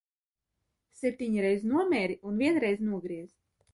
Septiņreiz nomērī un vienreiz nogriez.